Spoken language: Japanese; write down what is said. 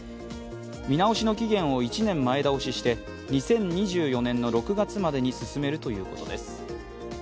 見直しの期限を１年前倒しして、２０２４年の６月までに進めるということです。